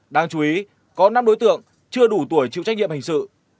đáng chú ý có năm đối tượng chưa đủ tuổi chịu trách nhiệm hình sự